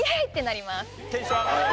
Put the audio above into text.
テンション上がって。